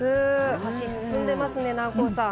お箸進んでますね南光さん。